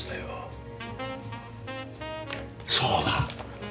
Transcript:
そうだ！